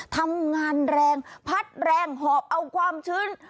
ทำงานแรงพัดแรงหอบเอาความชื้น